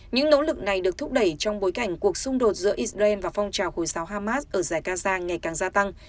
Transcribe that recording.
những nỗ lực này được thúc đẩy trong bối cảnh cuộc xung đột giữa israel và phong trào khối xáo hamas ở dài gaza ngày càng gia tăng